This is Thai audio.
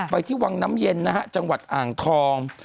ไปที่วังน้ำเย็นนะฮะจังหวัดอ่างทอง